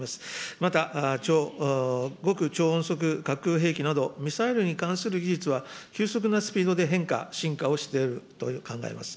また、極超音速核兵器など、ミサイルに関する技術は急速なスピードで変化、進化をしていると考えます。